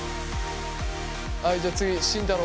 はいじゃあ次慎太郎。